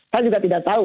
saya juga tidak tahu